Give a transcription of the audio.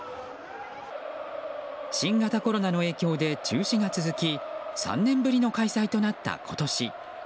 新型コロナの影響で中止が続き３年ぶりの開催となった今年。